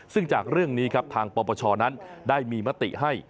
ซึ่งจากเรื่องนี้ครับทางปปชนั้นได้มีมติให้